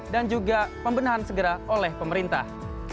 dan juga pembenahan segera oleh pemerintah